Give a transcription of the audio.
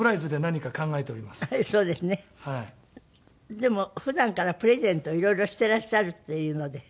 でも普段からプレゼントをいろいろしてらっしゃるっていうので特別に。